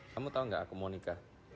kamu tau gak aku mau nikah